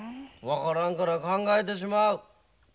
分からんから考えてしまう。